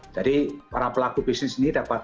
para pelaku bisnis ini dapat